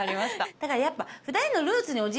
だからやっぱ。